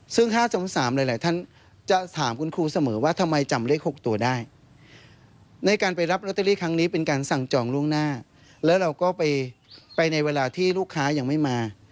ซึ่ง๕๒๓หลายท่านจะถามคุณครูเสมอว่าทำไมจำเลข๖ตัวได้ในการไปรับลอตเตอรี่ครั้งนี้เป็นการสั่งจองล่วงหน้าแล้วเราก็ไปในเวลาที่ลูกค้ายังไม่มา